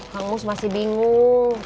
kang ibus masih bingung